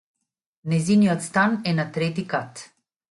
Нејзиниот стан е на трети кат.